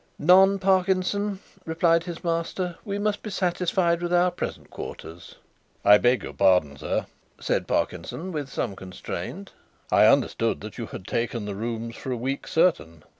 "None, Parkinson," replied his master. "We must be satisfied with our present quarters." "I beg your pardon, sir," said Parkinson, with some constraint. "I understand that you had taken the rooms for a week certain."